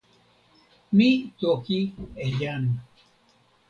mi toki e jan.